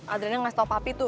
adriana ngasih tau papi tuh